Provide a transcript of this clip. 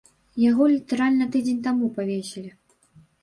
Яго літаральна тыдзень таму павесілі.